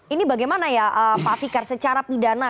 ini bagaimana ya pak fikar secara pidana